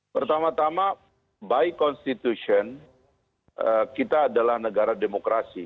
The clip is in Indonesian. pertama tama by constitution kita adalah negara demokrasi